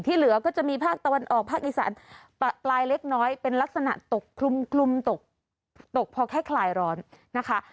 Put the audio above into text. เหลือก็จะมีภาคตะวันออกภาคอีสานปลายเล็กน้อยเป็นลักษณะตกคลุมตกตกพอแค่คลายร้อนนะคะ